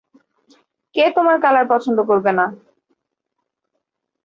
কে তোমার কালার পছন্দ করবে না?